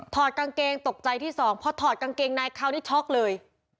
ถอดกางเกงตกใจที่สองขอถอดกางเกงนี้คูกใหม่เลย